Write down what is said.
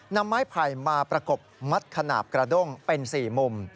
นำไม้ไผ่มาประกบมัดขนาดกระด้งเป็น๔มุม